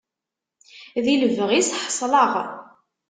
Di lebɣi-s ḥeṣleɣ.